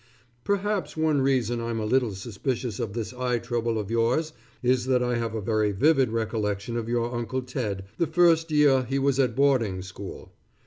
Perhaps one reason I'm a little suspicious of this eye trouble of yours, is that I have a very vivid recollection of your Uncle Ted the first year he was at boarding school.